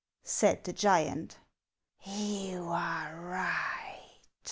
" said the giant. " You are right."